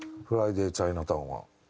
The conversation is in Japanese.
『フライディ・チャイナタウン』は。